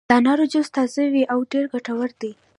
د انارو جوس تازه وي او ډېر ګټور دی.